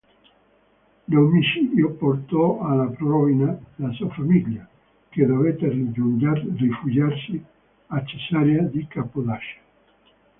L'omicidio portò alla rovina la sua famiglia, che dovette rifugiarsi a Cesarea di Cappadocia.